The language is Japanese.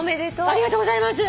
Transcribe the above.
ありがとうございます！